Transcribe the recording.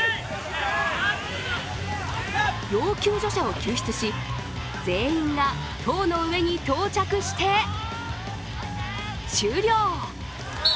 要救助者を救出し、全員が棟の上に到着して終了。